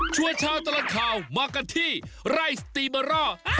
ชวนชาวตลอดข่าวมากันที่ไร่สตีเบอร์รอ